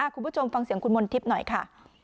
คุณผู้ชมฟังเสียงคุณมนทิพย์หน่อยค่ะ